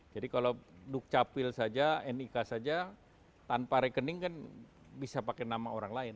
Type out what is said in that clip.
jadi kalau duk capil saja nik saja tanpa rekening kan bisa pakai nama orang lain